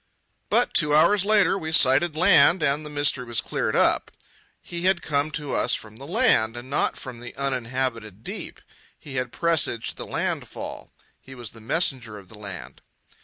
But two hours later we sighted land and the mystery was cleared up. He had come to us from the land, and not from the uninhabited deep. He had presaged the landfall. He was the messenger of the land.